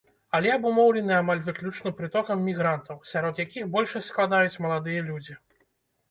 Але абумоўлены амаль выключна прытокам мігрантаў, сярод якіх большасць складаюць маладыя людзі.